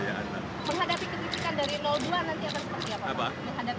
nanti akan seperti apa pak